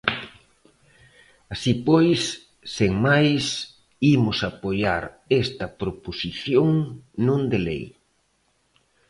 Así pois, sen máis, imos apoiar esta proposición non de lei.